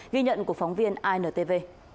ghi nhận của phóng viên intv